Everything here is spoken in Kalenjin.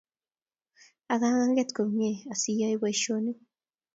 Ak aganget komnyei asiyae boisionik